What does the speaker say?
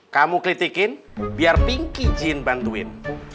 kamu kritikin biar pinky jin bantuin